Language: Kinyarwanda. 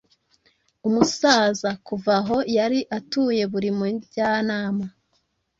Umusaza kuva aho yari atuye buri mujyanama